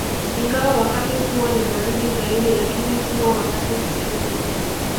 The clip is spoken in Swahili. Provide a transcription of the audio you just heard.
Ingawa wakati huo ni baridi zaidi lakini huwa wakati sahihi